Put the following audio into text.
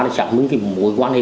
chẳng những mối quan hệ